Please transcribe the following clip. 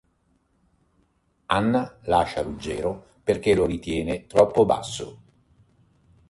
Anna lascia Ruggero perché lo ritiene troppo basso.